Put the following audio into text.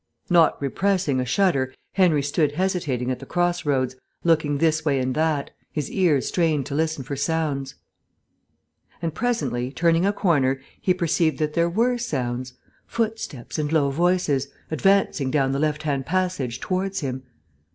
Not repressing a shudder, Henry stood hesitating at the cross roads, looking this way and that, his ears strained to listen for sounds. And presently, turning a corner, he perceived that there were sounds footsteps and low voices, advancing down the left hand passage towards him.